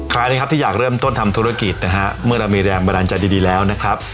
ใครนะครับที่อยากเริ่มต้นทำธุรกิจนะฮะเมื่อเรามีแรงบันดาลใจดีแล้วนะครับ